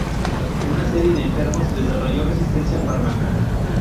Una serie de enfermos desarrolló resistencia al fármaco.